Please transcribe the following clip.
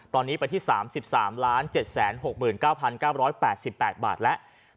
ตอนนี้ไปที่๓๓๗๖๙๙๘๘บาทแล้ว